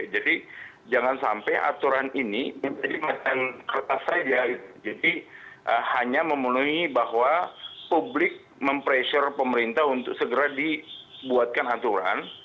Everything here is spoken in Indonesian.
jadi jangan sampai aturan ini jadi hanya memenuhi bahwa publik mempressure pemerintah untuk segera dibuatkan aturan